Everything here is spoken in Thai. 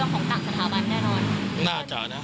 ก็กังวลใจน่ะ